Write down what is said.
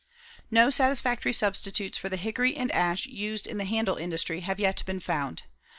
No satisfactory substitutes for the hickory and ash used in the handle industry have yet been found.